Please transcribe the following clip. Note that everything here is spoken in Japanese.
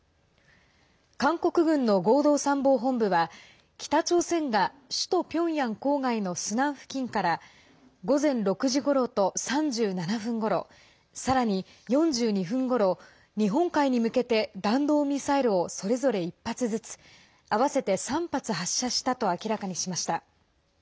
韓国軍の合同参謀本部は北朝鮮が首都ピョンヤン郊外のスナン付近から午前６時ごろと３７分ごろさらに４２分ごろ日本海に向けて弾道ミサイルをそれぞれ１発ずつ合わせて３発発射したと明らかにしました。